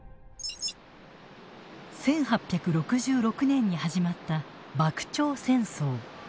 １８６６年に始まった幕長戦争。